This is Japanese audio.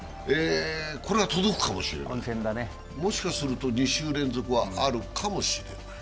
これが届くかもしれない、もしかしたら２週連続あるかもしれない。